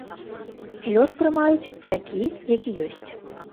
Лёс прымаюць такі, які ёсць.